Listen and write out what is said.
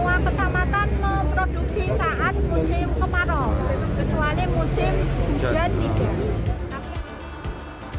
semua kecamatan memproduksi saat musim kemarau kecuali musim hujan tidak